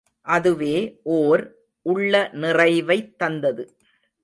அதுவே ஓர் உள்ள நிறைவைத் தந்தது.